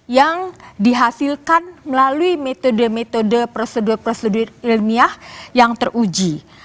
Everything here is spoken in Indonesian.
yang dihasilkan melalui metode metode prosedur prosedur ilmiah yang teruji